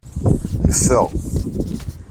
Neffeɣ.